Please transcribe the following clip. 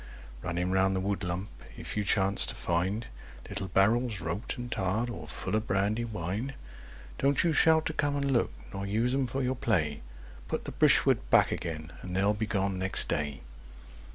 Running round the woodlump if you chance to find Little barrels, roped and tarred, all full of brandy wine, Don't you shout to come and look, nor use 'em for your play. Put the brishwood back again—and they'll be gone next day!